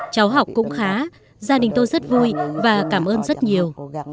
cháu học cũng khá gia đình tôi rất vui và cảm ơn rất nhiều